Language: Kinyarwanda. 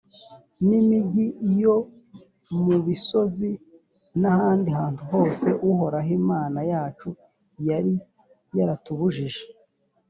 n’imigi yo mu bisozi n’ahandi hantu hose uhoraho imana yacu yari yaratubujije.